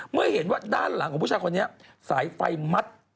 เมื่อเห็นว่าด้านหลังของผู้ชายคนนี้สายไฟมัด